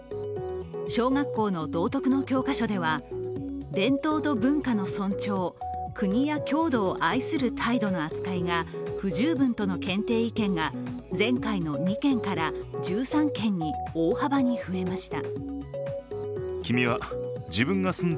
小学校の道徳の教科書では伝統と文化の尊重、国や郷土を愛する態度の扱いが不十分との検定意見が前回の２件から１３件に大幅に増えました。